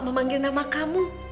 memanggil nama kamu